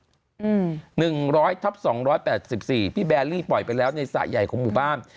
หนึ่งร้อยทับสองร้อยแปดสิบสี่พี่แบลลี่ปล่อยไปแล้วในสระใหญ่ของหมู่บ้าน